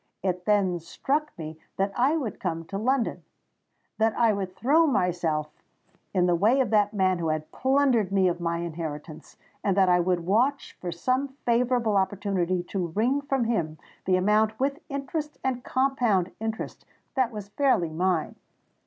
It then struck me that I would come to London—that I would throw myself in the way of that man who had plundered me of my inheritance—and that I would watch for some favourable opportunity to wring from him the amount with interest and compound interest, that was fairly mine.